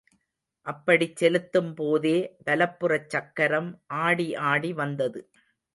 அப்படிச் செலுத்தும் போதே வலப்புறச் சக்கரம் ஆடி ஆடி வந்தது.